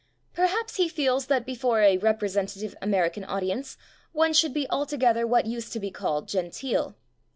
Perhaps he feels that before a "rep resentative" American audience one should be altogether what used to be called "genteel".